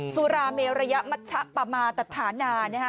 สุราเมระยะมัชชะปะมาตัดฐานา